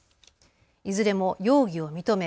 いずれも容疑を認め